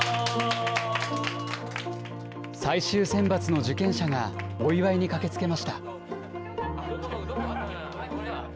最終選抜の受験者がお祝いに駆けつけました。